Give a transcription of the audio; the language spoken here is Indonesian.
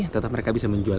tetap mereka bisa menjual